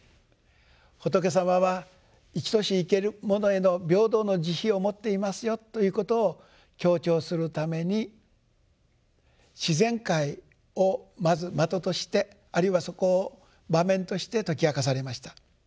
仏様は生きとし生けるものへの平等の慈悲を持っていますよということを強調するために自然界をまず的としてあるいはそこを場面として説き明かされました。